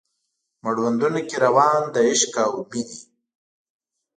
مړوندونو کې روان د عشق او میینې